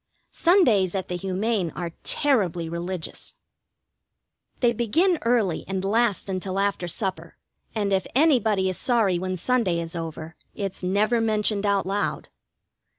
Sundays at the Humane are terribly religious. They begin early and last until after supper, and if anybody is sorry when Sunday is over, it's never been mentioned out loud.